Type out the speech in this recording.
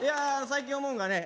最近思うんがね